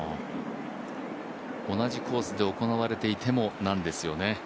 同じコースで行われていても、なんですよね。